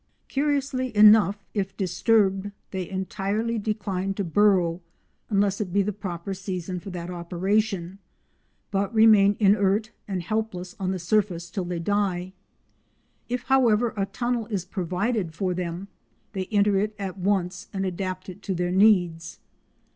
Curiously enough, if disturbed, they entirely decline to burrow unless it be the proper season for that operation, but remain inert and helpless on the surface till they die. If, however, a tunnel is provided for them, they enter it at once and adapt it to their needs.